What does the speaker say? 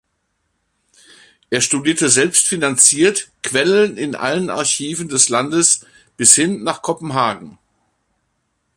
Er studierte selbst finanziert Quellen in allen Archiven des Landes bis hin nach Kopenhagen.